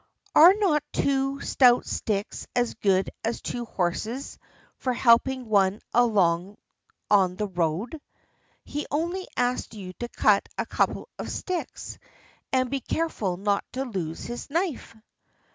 "Are not two stout sticks as good as two horses for helping one along on the road? He only asked you to cut a couple of sticks and be careful not to lose his knife."